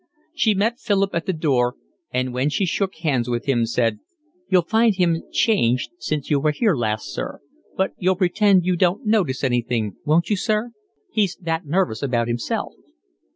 She met Philip at the door, and when she shook hands with him, said: "You'll find him changed since you was here last, sir; but you'll pretend you don't notice anything, won't you, sir? He's that nervous about himself."